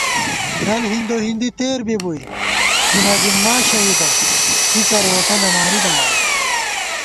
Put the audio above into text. ڈل ہندو ہِندی تېر بِبُوئی جمعہ دین ما شہیدہ ݪِڅَر ووٹَلہ ماری داوون